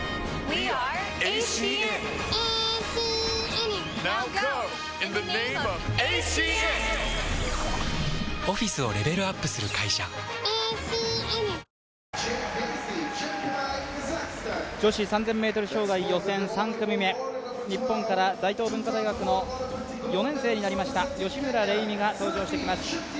日本の女子の３０００ｍ障害を代表する選手、女子３０００ｍ障害予選３組目日本から大東文化大学の４年生になりました吉村玲美が登場してきます。